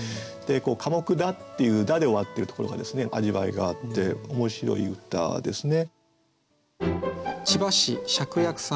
「寡黙だ」っていう「だ」で終わってるところが味わいがあって面白い歌ですね。